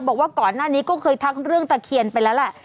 บอกว่าก่อนหน้านี้ก็เคยทักเรื่องตะเคียนไปแล้วแหละ